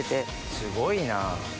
すごいな。